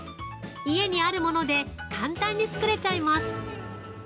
家にあるもので簡単に作れちゃいます！